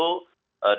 dari segi kebijakannya